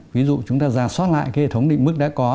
ví dụ chúng ta giả soát lại cái hệ thống định mức đã có